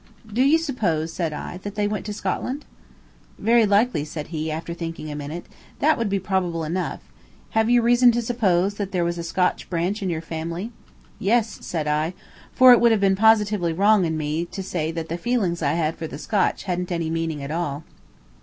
"Do you suppose," said I, "that they went to Scotland?" "Very likely," said he, after thinking a minute; "that would be probable enough. Have you reason to suppose that there was a Scotch branch in your family?" "Yes," said I, for it would have been positively wrong in me to say that the feelings that I had for the Scotch hadn't any meaning at all.